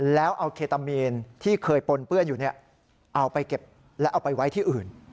แล้วเอาเคตามีนที่เคยปนเปื้อนอยู่เอาไปเก็บและเอาไปไว้ที่อื่น